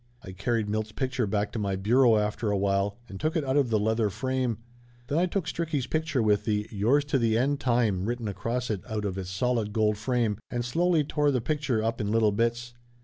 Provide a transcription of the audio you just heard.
I carried Milt's picture back to my bureau after a while and took it out of the leather frame. Then I took Stricky's picture with the "Yours to the end of time" written across it out of its solid gold frame and slowly tore the picture up in little bits.